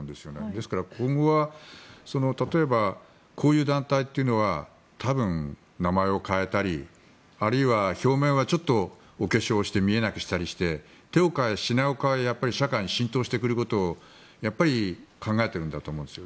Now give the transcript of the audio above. ですから、今後は例えばこういう団体というのは多分、名前を変えたりあるいは表面はちょっとお化粧をして見えなくしたりして手を替え品を替え社会に浸透してくることを考えているんだと思うんです。